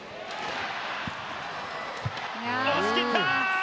押しきった。